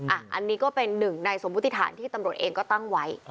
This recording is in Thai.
อันนี้ก็เป็นหนึ่งในสมมุติฐานที่ตำรวจเองก็ตั้งไว้